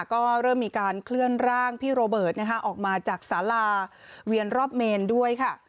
ก็เริ่มมีการเคลื่อนร่างพี่โรเบิร์ตออกมาจากสาราเวียนรอบเมนด้วยค่ะ